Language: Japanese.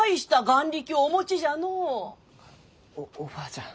おおばあちゃん。